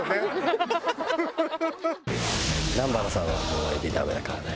南原さんはもうエビダメだからね。